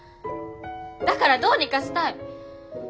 だからどうにかしたい。